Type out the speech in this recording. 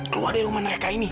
keluar dari rumah mereka ini